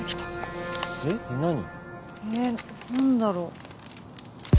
えっ何だろう。